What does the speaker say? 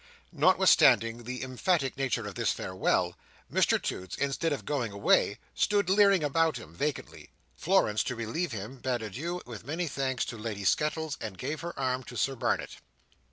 Notwithstanding the emphatic nature of this farewell, Mr Toots, instead of going away, stood leering about him, vacantly. Florence, to relieve him, bade adieu, with many thanks, to Lady Skettles, and gave her arm to Sir Barnet.